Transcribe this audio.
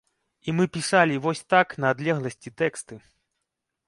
І мы пісалі вось так на адлегласці тэксты.